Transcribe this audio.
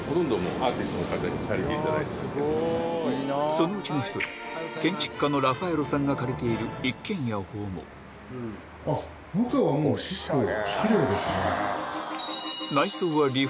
そのうちの１人建築家のラファエロさんが借りている一軒家を訪問だがちなみに。